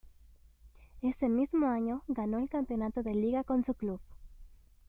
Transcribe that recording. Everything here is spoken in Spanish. Ese mismo año ganó el campeonato de liga con su club.